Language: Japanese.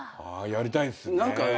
やりたいですね。